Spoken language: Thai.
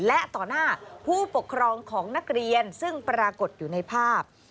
และต่อหน้าผู้ปกครองของนักเรียนซึ่งปรากฏอยู่ในภาพ